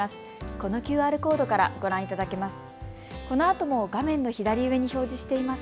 このＱＲコードからご覧いただけます。